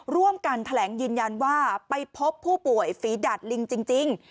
ร่วมกันแถลงยืนยันว่าไปพบผู้ป่วยฝีดาดลิงจริง